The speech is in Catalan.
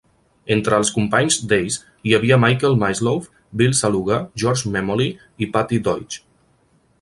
Entre els companys d'Ace, hi havia Michael Mislove, Bill Saluga, George Memmoli i Patti Deutsch.